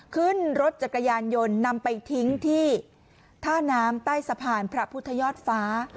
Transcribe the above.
ขึ้นรถจักรยานยนต์นำไปทิ้งที่ท่าน้ำใต้สะพานพระพุทธยอดฟ้า